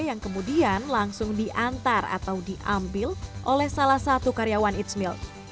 yang kemudian langsung diantar atau diambil oleh salah satu karyawan eatsmilk